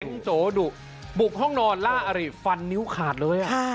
เป็นโจดุบุกห้องนอนล่าอริฟันนิ้วขาดเลย